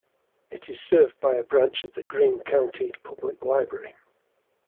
It is served by a branch of the Greene County Public Library.